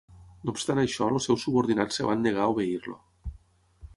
No obstant això els seus subordinats es van negar a obeir-lo.